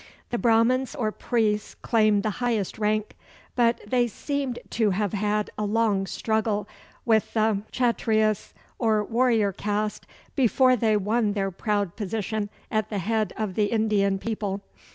The Brahmans or priests claimed the highest rank. But they seemed to have had a long struggle with the Kchatryas, or warrior caste, before they won their proud position at the head of the Indian people.